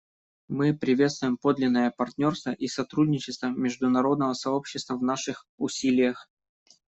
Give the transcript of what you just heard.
Мы приветствуем подлинное партнерство и сотрудничество международного сообщества в наших усилиях.